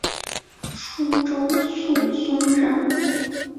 舒州宿松人。